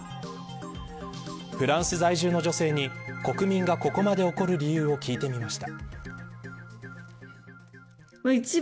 フランス在住の女性に国民がここまで怒る理由を聞いてみました。